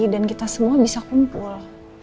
dan kita semua bisa kumpul